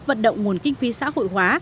vận động nguồn kinh phí xã hội hóa